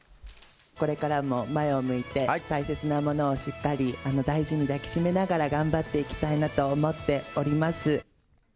これからも前を向いて、大切なものをしっかり大事に抱き締めながら頑張っていきたいなと思っております。